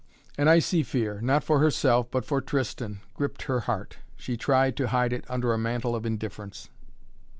An icy fear, not for herself, but for Tristan, gripped her heart. She tried to hide it under a mantle of indifference.